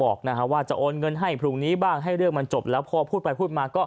สุดท้ายตัดสินใจเดินทางไปร้องทุกข์การถูกกระทำชำระวจริงและตอนนี้ก็มีภาวะซึมเศร้าด้วยนะครับ